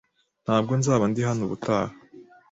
Ntabwo nzaba ndi hano ubutaha